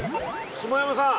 下山さん。